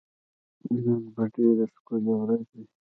نن به ډېره ښکلی ورځ وي